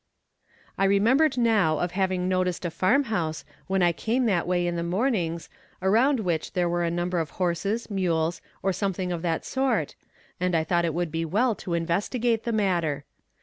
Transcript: I remembered now of having noticed a farm house when I came that way in the mornings around which were a number of horses, mules, or something of that sort, and I thought it would be well to investigate the matter.